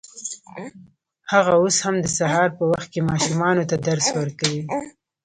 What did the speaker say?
هغه اوس هم د سهار په وخت کې ماشومانو ته درس ورکوي